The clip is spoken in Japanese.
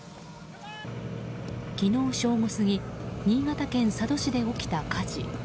昨日正午過ぎ新潟県佐渡市で起きた火事。